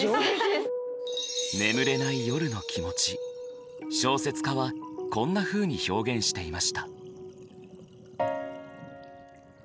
眠れない夜の気持ち小説家はこんなふうに表現していました。